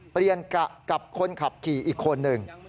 เปลี่ยนกะกับคนขับขี่อีกคนหนึ่ง